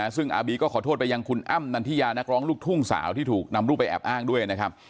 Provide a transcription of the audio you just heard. ซึ่งอาบีก็ขอโทษไปยังคุณอ้ำนันทิยานักร้องลูกทุ่งสาวที่ถูกนำรูปไปแอบอ้างด้วยนะครับ